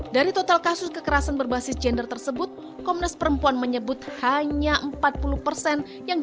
di situ saya merasa tertekan sayang